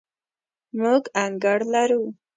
موږ انګړ لرو